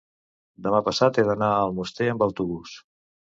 demà passat he d'anar a Almoster amb autobús.